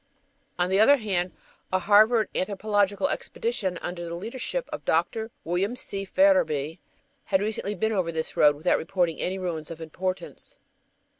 On the other hand, a Harvard Anthropological Expedition, under the leadership of Dr. William C. Farrabee, had recently been over this road without reporting any ruins of importance.